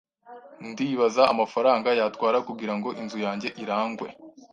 Ndibaza amafaranga yatwara kugirango inzu yanjye irangwe.